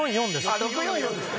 あっ６４４ですか。